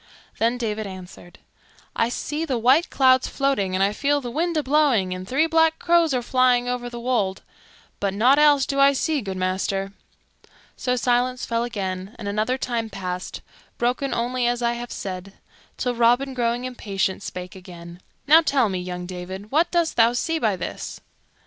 Then David answered, "I see the white clouds floating and I feel the wind a blowing and three black crows are flying over the wold; but nought else do I see, good master." So silence fell again and another time passed, broken only as I have said, till Robin, growing impatient, spake again. "Now tell me, young David, what dost thou see by this?"